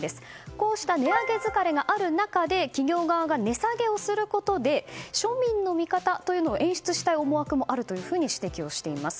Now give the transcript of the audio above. こうした値上げ疲れがある中で企業側が値下げをすることで庶民の味方というのを演出したい思惑もあるというふうに指摘をしています。